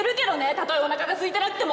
たとえお腹が空いてなくても！